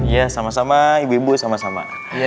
ya sama sama ibu ibu sama sama